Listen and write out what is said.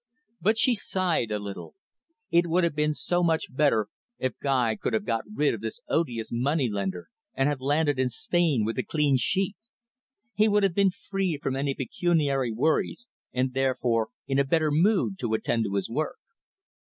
But she sighed a little. It would have been so much better if Guy could have got rid of this odious moneylender, and have landed in Spain with a clean sheet. He would have been free from any pecuniary worries, and, therefore, in a better mood to attend to his work.